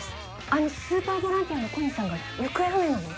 あのスーパーボランティアの小西さんが行方不明なの？